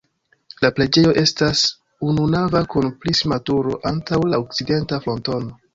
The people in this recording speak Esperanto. La preĝejo estas ununava kun prisma turo antaŭ la okcidenta frontono.